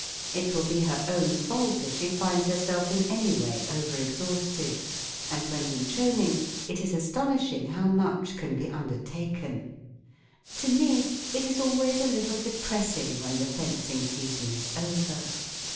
It will be her own fault if she finds her¬ self in any way over exhausted, and when in training it is aston¬ ishing how much can be undertaken. To me it is always a little depressing when the fencing season is over.